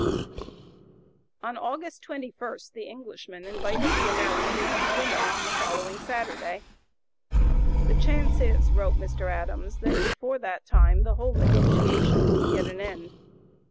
On August 21 the Englishmen invited the Americans to dinner on the following Saturday. "The chance is," wrote Mr. Adams, "that before that time the whole negotiation will be at an end."